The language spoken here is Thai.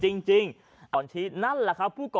ชาวบ้านญาติโปรดแค้นไปดูภาพบรรยากาศขณะ